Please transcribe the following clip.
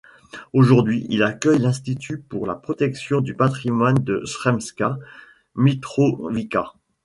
Aujourd'hui, il accueille l'Institut pour la protection du patrimoine de Sremska Mitrovica.